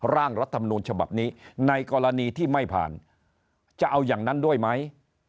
ร่างรัฐมนูลฉบับนี้ในกรณีที่ไม่ผ่านจะเอาอย่างนั้นด้วยไหม